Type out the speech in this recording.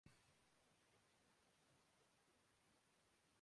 ان کا یہ رونا ہی رہا۔